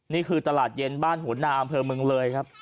นี่คือตลาดเย็นบ้านหัวหน้าอำเภอเมืองเลยครับ